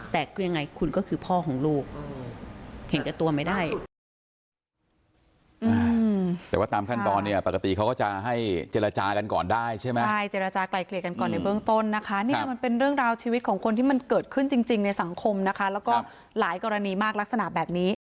แต่คือยังไงคุณก็คือพ่อของลูกเห็นแก่ตัวไม่ได้